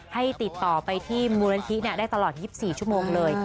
ให้ติดต่อไปที่มูลนิธิได้ตลอด๒๔ชั่วโมงเลย